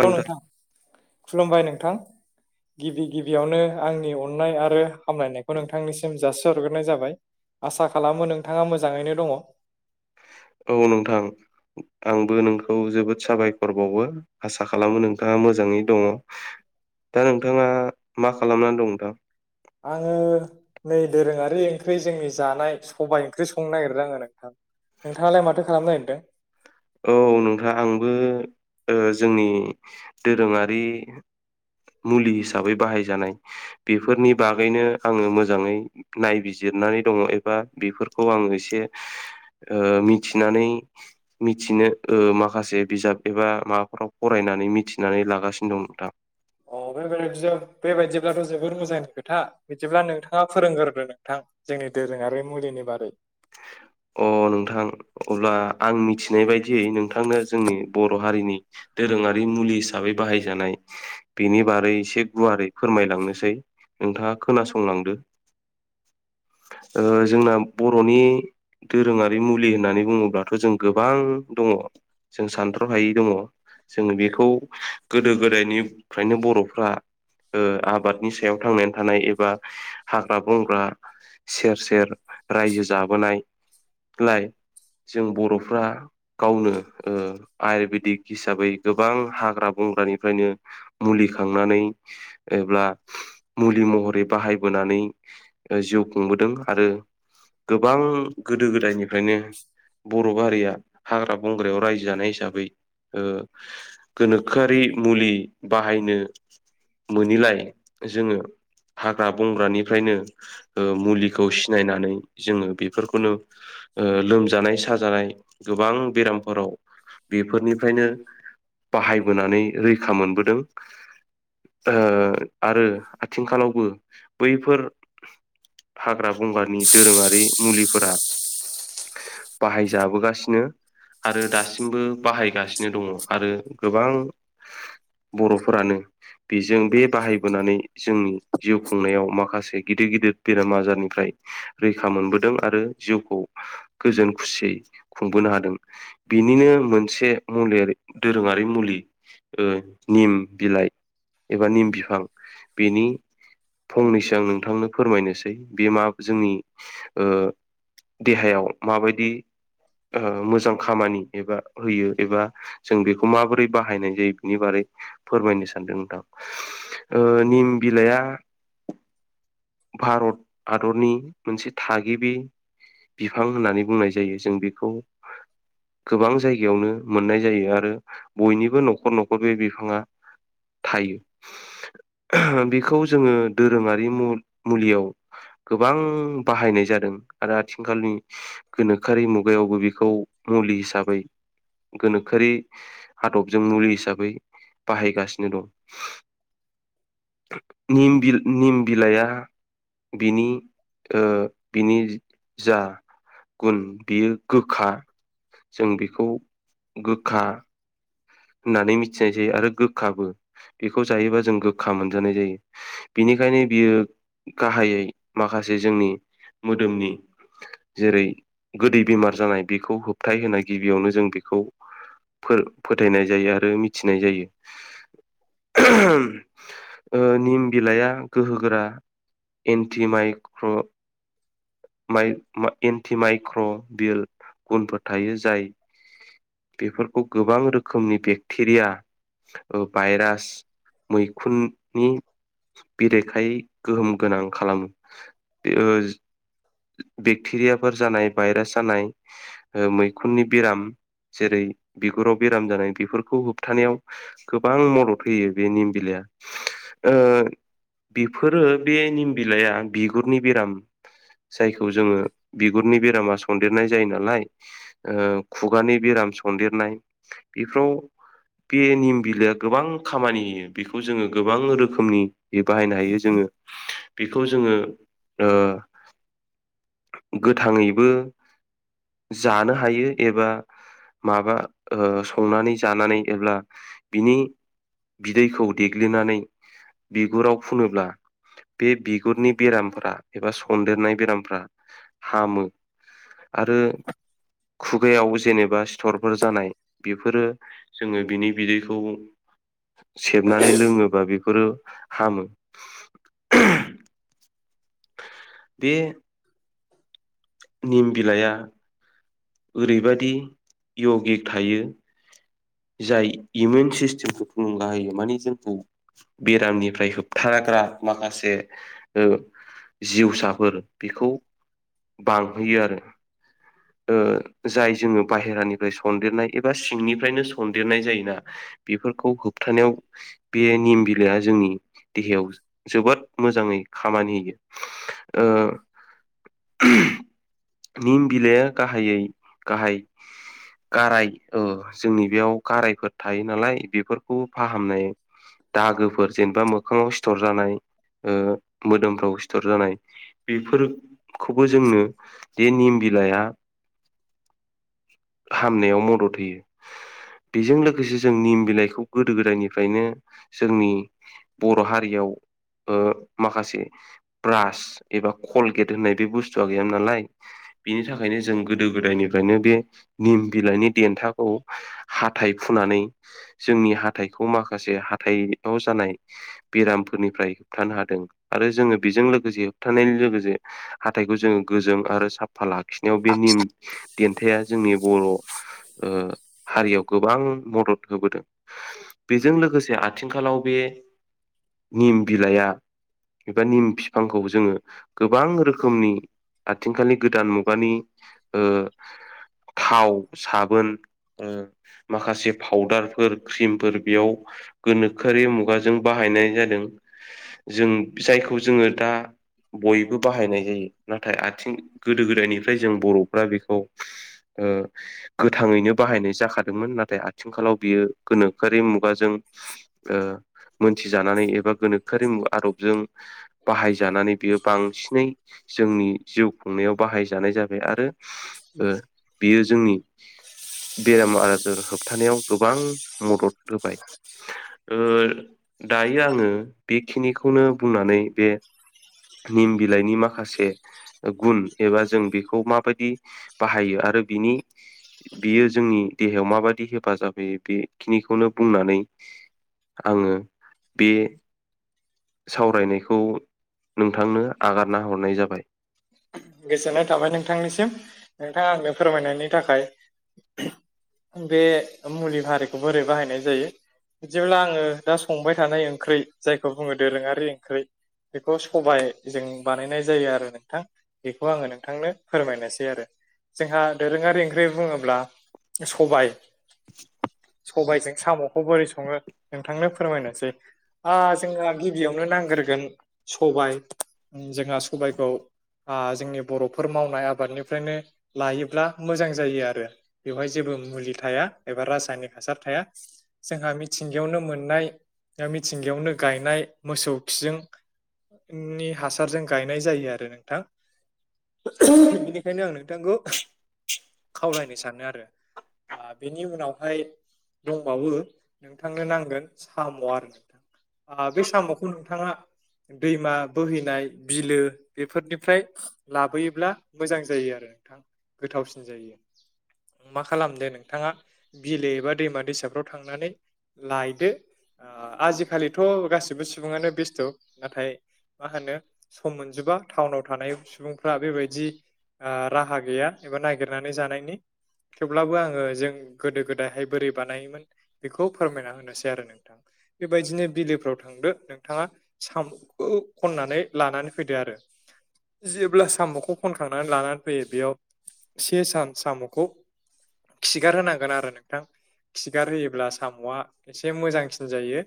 Hello नोंथां खुलुमबाय नोंथां गिबि गिबियावनो आंनि अननाय आरो हामलायनायखौ नोंथांनिसिम जासिहरग्रोनाय जाबाय। आसा खालामो नोंथाङा मोजाङैनो दङ'। औ नोंथां आंबो नोंखौ जोबोद साबायखरबावो आसा खालामो नोंथांङा मोजाङै दङ' दा नोंथाङा मा खालामनानै दं नोंथां आंङो नै दोरोङारि ओंख्रि जोंनि जानाय सबाय ओंख्रि संनो नागिरदों आंङो नोंथां नोंथाङालाय माथो खालामनो नागिरदों औ नोंथां आंबो ओ जोंनि दोरोंङारि मुलि हिसाबै बाहायजानाय बेफोरनि बागैनो आंङो मोजांङै नायबिजिरनानै दङ' एबा बेफोरखौ आंङो एसे ओ मिथिनानै मिथिनो ओ माखासे बिजाब एबा माबाफोराव फरायनानै मिथिनानै लागासिनो दं नोंथां अ बे बेबायदिब्लाथ' जोबोर मोजांनि खोथा बिदिब्ला नोंथाङा फोरोंग्रोदो नोंथां जोंनि दोरोंङारि मुलिनि बागै अ नोंथां अब्ला आं मिथिनाय बायदियै नोंथांनो जोंनि बर' हारिनि दोरोंङारि मुलि हिसाबै बाहायजानाय बेनि बारै एसे गुवारै फोरमायलांनोसै नोंथांङा खोनासंलांदो ओ जोंना बर'नि दोरोंङारि मुलि होननानै बुंङोब्लाथ' जों गोबां दङ' जों सानथ्र' हायै दङ' जों बेखौ गोदो गोदायनिफ्रायनो बर'फ्रा ओ आबादनि सायाव थांनानै थानाय एबा हाग्रा बंग्रा सेर सेर रायजो जाबोनायलाय जों बर'फ्रा गावनो ओ आयुरवेदिक हिसाबै गोबां हाग्रा बंग्रानिफ्रायनो मुलि खांनानै एबा मुलि महरै बाहायबोनानै जिउ खुंबोदों आरो गोबां गोदो गोदायनिफ्रायनो बर' हारिया हाग्रा बंग्रायाव रायजो जानाय हिसाबै ओ गोनोखोआरि मुलि बाहायनो मोनैलाय जोंङो हाग्रा बंग्रानिफ्रायनो मुलिखौ सिनायनानै जोङो बेफोरखौनो ओ लोमजानाय साजानाय गोबां बेरामफोराव बेफोरनिफ्रायनो बाहायबोनानै रैखा मोनबोदों। ओ आरो आथिंखालावबो बैफोर हाग्रा बंग्रा नि दोरोङारि मुलिफोरा बाहायजाबोगासिनो। आरो दासिमबो बाहायगासिनो दङ आरो गोबां बर'फोरानो बेजों बे बाहायबोनानै जोंनि जिउ खुंनायाव माखासे गिदिर गिदिर बेराम आजारनिफ्राय रैखा मोनबोदों आरो जिउखौ गोजोन खुसियै खुंबोनो हादों। बिनिनो मोनसे मुलिया दोरोङारि मुलि ओ निम बिलाइ एबा निम फिफां बेनि फंनैसो आं नोंथांनो फोरमायनोसै बे मा जोंनि ओ देहायाव माबायदि मोजां खामानि एबा होयो एबा जों बेखौ माबोरै बाहायनाय जायो बिनि बागै फोरमायनो सान्दों नोंथां। ओ निम बिलाइआ भारत हादरनि मोनसे थागिबि। बिफां होननानै बुंनाय जायो जों बेखौ गोबां जायगायावनो मोननाय जायो आरो बयनिबो न'खर न'खर बे बिफाङा थायो। बेखौ जोङो दोरोङारि मुलियाव गोबां बाहायनाय जादों आरो आथिंखालनि गोनोखोरि मुगायावबो बेखौ मुलि हिसाबै गोनोखोआरि हदबजों मुलि हिसाबै बाहायगासिनो दं। निम बिल निम बिलाइआ बिनि ओ बिनि जा गुन बेयो गोखा जों बेखौ गोखा होननानै मिथिनाय जायो आरो गोखाबो। बेखौ जायोबा जों गोखा मोनजानाय जायो। बिनिखायनो बियो गाहायै माखासे जोंनि मोदोमनि जेरै गोदै बेमार जानाय बेखौ होबथायो होनाय गिबियावनो जों बेखौ फोथायनाय जायो आरो मिथिनाय जायो। निम बिलाइया गोहोगोरा एन्टि माइक्र' माइ एन्टि माइक्र' बिल गुनफोर थायो जाय बेफोरखौ गोबां रोखोमनि बेक्टेरिया भायरास मैखुननि बिरेखायै गोहोम गोनां खालामो। बेक्टेरियाफोर जानाय भाइरास जानाय मैखुननि बेराम जेरै बिगुराव बेराम जानाय बेफोरखौ होबथानायाव गोबां मदद होयो बे निम बिलाइया। ओ बेफोरो बे निम बिलाइआ बिगुरनि बेराम जायखौ जोङो बिगुरनि बेरामा सन्देरनाय जायो नालाय खुगानि बेराम सन्देरनाय बेफोराव बे निम बिलाइआ गोबां खामानि होयो बेखौ जोङो गोबां रोखोमनि बे बाहायनो हायो जोङो बेखौ जोङो ओ गोथाङैबो जानो हायो एबा माबा ओ संनानै जानानै एब्ला बिनि बिदैखौ देग्लिनानै बिगुराव फुनोब्ला बे बिगुरनि बेरामफोरा एबा सन्देरनाय बेरामफ्रा हामो आरो खुगायाव जेनेबा सिथरफोर जानाय बेफोरो जोङो बिनि बिदैखौ सेबनानै लोङोबा बेफोरो हामो। [inaudible] बे निम बिलाइया ओरैबायदि यगि थायो जाय इमिउन सिस्टेमखौ थुलुंगा होयो माने जोंखौ बेरामनिफ्राय होबथानाग्रा माखासे ओ जिउसाफोर बेखौ बांहोयो आरो। जाय जोङो बाहेरानिफ्राय सनन्देरनाय एबा सिंनिफ्रायनो सनन्देरनाय जायोना। बेफोरखौ होबथानायाव बे निम बिलाइया जोंनि देहायाव जोबोद मोजाङै खामानि होयो ओ निम बिलाइआ गाहायै गाहाय गाराय जोंनि बेयाव गारायफोर थायो नालाय बेफोरखौ फाहामनाय दाहागोफोर जेनेबा मोखाङाव सिथर जानाय ओ मोदोमफ्राव सिथर जानाय बेफोरखौबो जोंनो जे निम बिलाइया हामनायाव मदद होयो। बेजों लोगोसे जों निम बिलाइखौ गोदो गोदायनिफ्रायनो जोंनि बर' हारियाव ओ माखासे ब्रास एबा कलगेट होननाय बे बुस्थुा गैयामोन नालाय बिनि थाखायनो जों गोदो गोदायनिफ्रायनो बे निम बिलाइनि देन्थाखौ हाथथाय फुनानै जोंनि हाथाइखौ माखासे हाथाइाव जानाय बेरामफोरनिफ्राय होबथानो हादों आरो जोङो बेजों लोगोसे होबथानायजों लोगोसे हाथथायखौ जोङो गोजों आरो साफा लाखिनायाव बे निम दन्थाया जोंनि बर' हारियाव गोबां मदद होबोदों। बेजों लोगोसे आथिंखालाव बे निम बिलाइआ एबा निम बिफांखौ जोङो गोबां रोखोमनि आथिंखालनि गोदान मुगानि ओ [inaudible] थाव साबोन ओ माखासे पाउदारफोर क्रिमफोर बेयाव गोनोखोआरि मुगाजों बाहायनाय जादों जों जायखौ जोङो दा बयबो बाहायनाय जायो नाथाय आथिं गोदो गोदायनिफ्राय जों बर' बेखौ ओ गोथाङैनो बाहायनाय जाखादोंमोन नाथाय आ थिंखालाव बियो गोनोखोआरि मुगाजों मोनथिजानानै एबा गोनोखोआरि आदबजों बाहायजानानै बियो बांसिनै जोंनि जिउ खुंनायाव बाहायजानाय जाबाय आरो बेयो जोंनि बेराम आजार होबथानायाव गोबां मदद होबाय। दायो आङो बेखिनिखौनो बुंनानै बे निम बिलाइनि माखासे गुन एबा जों बेखौ मा बे बदि बाहायो आरो बिनि बियो जोंनि देहायाव माबाददि हेफाजाब होयो बेखिनिखौनो बुंनानै आङो बे सावरायनायखौ नोंथांनो आगारना हरनाय जाबाय। गोजोननाय थाबाय नोंथांनिसिम नोंथाङा आंनो फोरमायनायनि थाखाय। आं बे मुलि हारिखौ बोरै बाहायनाय जायो बिदिब्ला आङो दा संबाय थानाय ओंख्रि जायखौ बुङो दोरोङारि ओंख्रि बेखौ सबायजों बानायनाय जायो आरो नोंथां। बेखौ आङो नोंथांनो फोरमायनोसै आरो। जोंहा दोरोङारि ओंख्रि बुङोब्ला सबाय [inaudible] सबायाइजों साम'खौ बोरै सङो नोंथांनो फोरमायनोसै ओ जोंना गिबियावनो नांग्रोगोन सबाय जोंहा सबायाइखौ ओ जोंनि बर'फोर मावनाय आबादनिफ्रायनो लायोब्ला मोजां जायो आरो बेवहाय जेबो मुलि थाया एबा रासायनिक हासार थाया। जोंहा मिथिंगायावनो मोननाय मिथिंगायावनो गायनाय मोसौ फिजोंं नि हासारजों गायनाय जायो आरो नोंथां बेनिखायनो आं नोंथांखौ खावलायनो सानो आरो बेनि उनाव हाय दंबाबो नोंथांनो नांगोन साम' आरो नोंथां। ओ बे साम'खौ नोंथाङा दैमा बोहैनाय बिलो बेफोरनि फ्राय लाबोयोब्ला मोजां जायो आरो नोंथां गोथावसिन जायो। मा खालामदो नोंथाङा बिलो एबा दैमा दैसाफ्राव थांनानै लायदो ओ आजिखालिथ' गासिबो सुबुङानो बेस्थ' नाथाय मा होनो सम मोनजोबा टाउनाव थानाय सुबुंफ्रा बेबायदि ओ राहा गैया एबा नागिरनानै जानायनि थेवब्लाबो आङो जों गोदो गोदायहाय बोरै बानायोमोन बेखौ फोरमायना होनोसै आरो नोंथां। बेबायदिनो बिलोफ्राव थांदो नोंथाङा सामखौ खननानै लानानै फैदो आरो जेब्ला साम'औ खनखांनानै लानानै फैयो बेयाव से सान साम'खौ खिगार होनांगोन आरो नोंथां खिगार होयोब्ला साम'आ एसे मोजांसिन जायो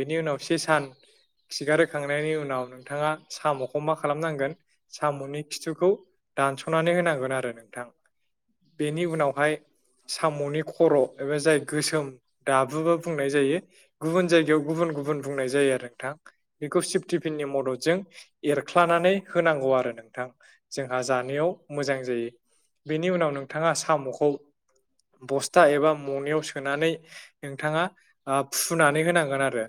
बेनि उनाव से सान खिगारहोखांनायनि उनाव नोंथाङा साम'खौ मा खालामनांग गोन साम'नि खिथुखौ दानस'नानै होनांगोन आरो नोंथां। बेनि उनावहाय साम'नि खर' एबा जाय गोसोम दाबुबो बुंनाय जायो गुबुन जायगायाव गुबुन गुबुन बुंनाय जायो आरो नोंथां बेखौ सिफ्टिफिननि मददजों एरख्लानानै होनांगौ आरो नोंथां जोंहा जानायाव मोजां जायो। बेनि उनाव नोंथाङा साम'खौ बस्था एबा मनाययाव सोनानै नोंथाङा ओ फुनानै होनांगोन आरो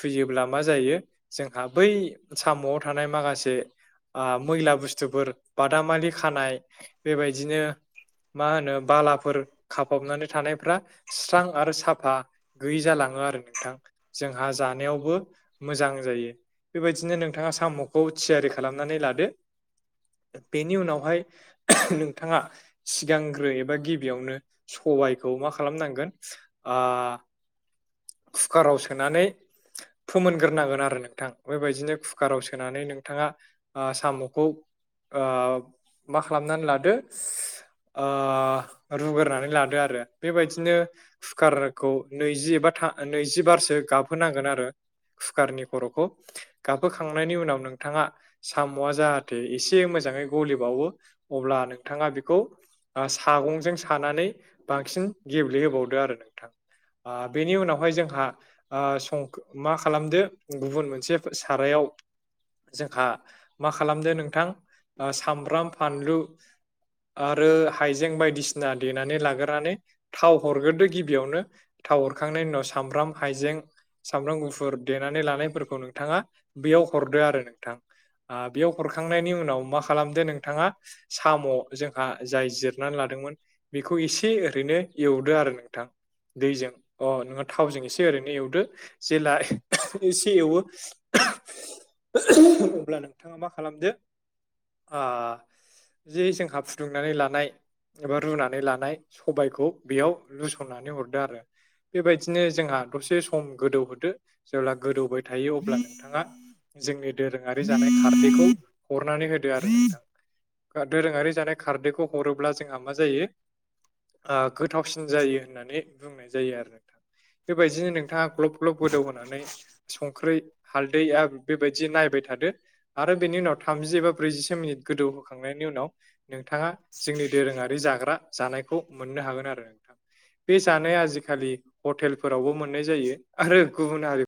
फुयोब्ला मा जायो जोंहा बै साम'आव थानाय माखासे ओ मैला बुस्थुफोर बादामालि खानाय बेबायदिनो मा होनो बालाफोर खाफाबनानै थानायफ्रा सस्रां आरो साफा गैयि जालाङो आरो नोंथां जोंहा जानायावबो मोजां जायो बेबायदिनो नोंथाङा साम'खौ थियारि खालामनानै लादो बेनि उनावहाय नोंथाङा सिगांग्रो एबा गिबियावनो सबायखौ मा खालामनांगोन ओ कुकाराव सोनानै फोमोनग्रोनांगोन आरो नोंथां बेबायदिनो कुकाराव सोनानै नोंथाङा ओ साम'खौ ओ मा खालामनानै लादो ओ रुग्रानै लादो आरो बेबायदिनो कुकारखौ नैजि एबा था नैजिबारसो गाबहोनांगोन आरो कुकारनि खर'खौ गाबहोखांनायनि उनाव नोंथाङा साम'आ जाहाथे एसे मोजाङै गलिबावो अब्ला नोंथाङा बेखौ ओ सागंजों सानानै बांसिन गेब्लेहोबावदो आरो नोंथां बेनि उनावहाय जोंहा ओ सं मा खालामदो गुबुन मोनसे सारायाव जोंहा मा खालामदो नोंथां सामब्राम फानलु आरो हाइजें बायदिसिना देनानै लाग्रानै थाव हरग्रोदो गिबियावनो [inaudible] थाव हरखांनायनि उनाव सामब्राम हाइजें सामब्राम गुफुर देनानै लानायफोरखौ नोंथाङा बेयाव हरदो आरो नोंथां बेयाव हरखांनायनि उनाव मा खालामदो नोंथाङा साम' जोंहा जाय जिरनानै लादोंमोन बेखौ एसे ओरैनो एवदो आरो नोंथां दैजों अ नोङो थावजों एसे ओरैनो एवदो जेला [unintelligible] एसे एवो [unintelligible] अब्ला नोंथाङा मा खालामदो ओ जे जोंहा फुदुंनानै लानाय एबा रुनानै लानाय सबायखौ बेयाव लुसननानै हरदो आरो बेबायदिनो जोंहा दसे सम गोदौहोदो जेब्ला गोदौ होदो थायो अब्ला नोंथाङा जोंनि दोरोङारि जानाय खारदैखौ हरनानै होदो आरो नोंथां दोरोङारि जानाय खारदैखौ हरोब्ला जोंहा मा जायो ओ गोथावसिन जायो होननानै बुंनाय जायो आरो नोंथां। बेबायदिनो नोंथाङा ग्लब ग्लब गोदौ होनानै संख्रि हालदै आरो बेबायदि नायबाय थादो आरो बेनि उनाव थामजि एबा ब्रैजिसे मिनिट गोदौ होखांनायनि उनाव नोंथाङा जोंनि दोरोङारि जाग्रा जानायखौ मोननो हागोन आरो नोंथां बे जानाय आजिखालि हटेलफोरावबो मोननाय जायो आरो गुबुन हारि